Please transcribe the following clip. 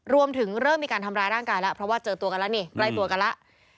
รวมถึงเริ่มมีการทำร้ายร่างกายแล้วเพราะว่าเจอตัวกันแล้วนี่ใกล้ตัวกันแล้ว